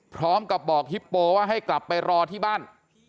พร้อมกับบอกฮิปโปว่าให้กลับไปรอที่บ้าน